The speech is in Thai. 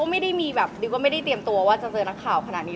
ก็ไม่รู้ดิวพูดจริงดิวก็ไม่ได้เตรียมตัวว่าจะเจอนักข่าวขนาดนี้